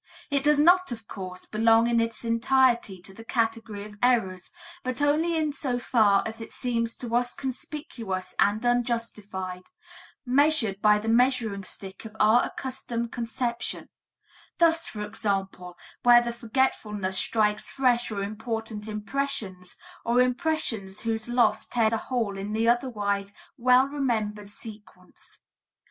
It does not, of course, belong in its entirety to the category of errors, but only in so far as it seems to us conspicuous and unjustified, measured by the measuring stick of our accustomed conception thus, for example, where the forgetfulness strikes fresh or important impressions or impressions whose loss tears a hole in the otherwise well remembered sequence.